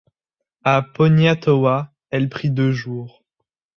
À Poniatowa, elle prit deux jours.